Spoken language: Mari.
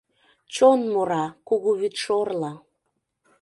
Чон мура кугу вӱдшорла